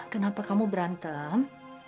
kenapa kamu berantem